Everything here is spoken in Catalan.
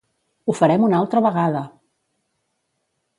Ho farem una altra vegada!